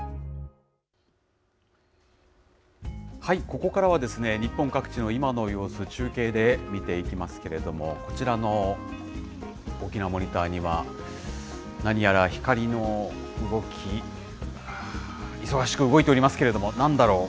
ここからはですね、日本各地の今の様子、中継で見ていきますけれども、こちらの大きなモニターには、何やら光の動き、忙しく動いておりますけれども、なんだろう。